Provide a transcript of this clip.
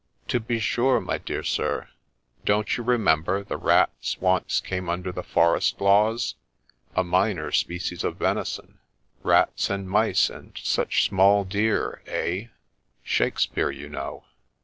' To be sure, my dear sir : don't you remember the rats once came under the forest laws — a minor species of venison ?" Rats and mice, and such small deer," eh ?— Shakespeare, you know.